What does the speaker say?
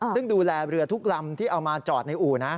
ซึ่งดูแลเรือทุกลำที่เอามาจอดในอู่นะ